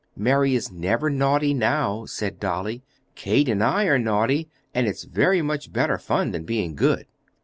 "Mary is never naughty now," said Dolly. "Kate and I are naughty, and it's very much better fun than being good."